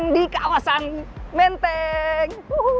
di kawasan menteng